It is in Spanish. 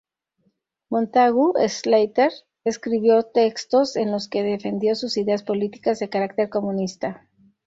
Montagu Slater escribió textos en los que defendió sus ideas políticas, de carácter comunista.